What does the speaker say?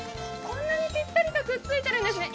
こんなにぴったりとくっついているんですね。